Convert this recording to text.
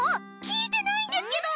聞いてないんですけど！